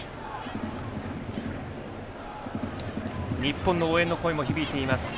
日本の応援の声も響いています